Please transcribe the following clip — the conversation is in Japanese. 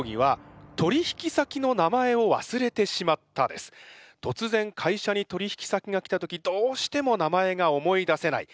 今回の競技はとつぜん会社に取引先が来た時どうしても名前が思い出せない。